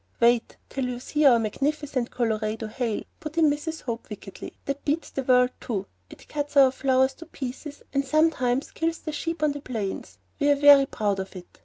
"Wait till you see our magnificent Colorado hail," put in Mrs. Hope, wickedly. "That beats the world, too. It cuts our flowers to pieces, and sometimes kills the sheep on the plains. We are very proud of it.